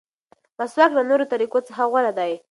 مسواک له نورو طریقو څخه غوره دی.